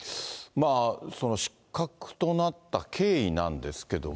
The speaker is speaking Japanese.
その失格となった経緯なんですけども。